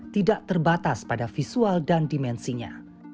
tidak terbatas pada visual dan dimensinya